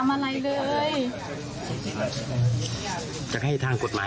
ไม่ให้แล้วเนอะ